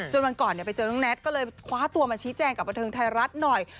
วันก่อนไปเจอน้องแน็ตก็เลยคว้าตัวมาชี้แจงกับบันเทิงไทยรัฐหน่อย